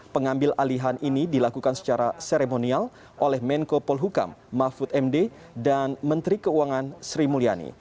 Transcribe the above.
pengambil alihan ini dilakukan secara seremonial oleh menko polhukam mahfud md dan menteri keuangan sri mulyani